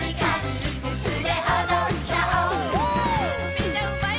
みんなうまいよ！